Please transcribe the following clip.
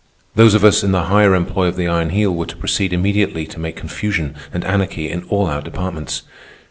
Those of us in the higher employ of the Iron Heel were to proceed immediately to make confusion and anarchy in all our departments.